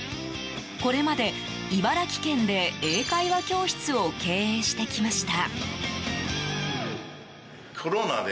これまで、茨城県で英会話教室を経営してきました。